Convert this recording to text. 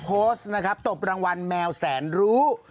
โพสต์นะครับตบรางวัลแมวแสนรู้